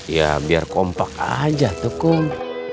ya biar kompak aja tukung